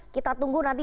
kita tunggu nanti